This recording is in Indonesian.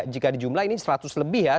jika di jumlah ini rp seratus lebih ya